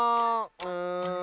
うん。